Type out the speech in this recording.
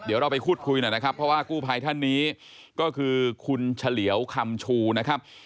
เดี๋ยวเราไปพูดคุยหน่อยนะครับเพราะว่ากู้ภัยท่านนี้ก็คือคุณเฉลียวคำชูนะครับ